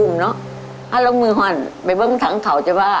มันมีข่าวเหรอ